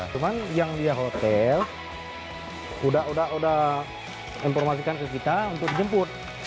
cuma yang dia hotel udah udah informasikan ke kita untuk dijemput